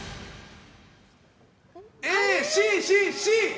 Ａ、Ｃ、Ｃ、Ｃ、Ｃ。